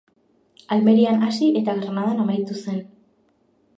Almerian hasi eta Granadan amaitu zen.